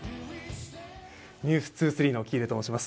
「ｎｅｗｓ２３」の喜入と申します。